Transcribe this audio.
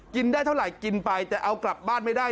ได้เท่าไหร่กินไปแต่เอากลับบ้านไม่ได้